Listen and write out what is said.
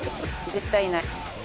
絶対いない。